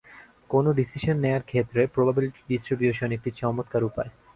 কোন ডিসিশন নেয়ার ক্ষেত্রে প্রবাবিলিটি ডিস্ট্রিবিউশন একটি চমৎকার উপায়।